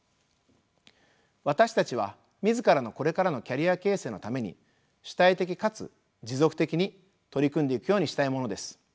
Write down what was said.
私たちは自らのこれからのキャリア形成のために主体的かつ持続的に取り組んでいくようにしたいものです。